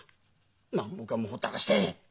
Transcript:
何もかもほったらかして。